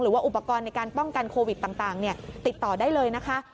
หรือว่าอุปกรณ์ในการป้องกันโควิดต่างติดต่อได้เลยนะคะ